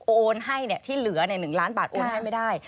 โอนให้ที่เหลือ๑ล้านบาทโอนให้ไม่ได้